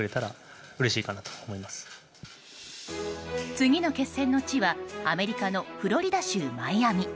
次の決戦の地はアメリカのフロリダ州マイアミ。